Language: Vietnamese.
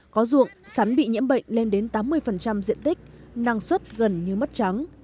có ruộng sắn bị nhiễm bệnh lên đến tám mươi diện tích năng suất gần như mất trắng